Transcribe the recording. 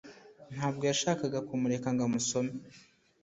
Ntabwo yashakaga kumureka ngo amusome